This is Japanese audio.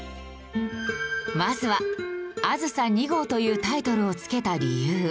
まずは『あずさ２号』というタイトルをつけた理由。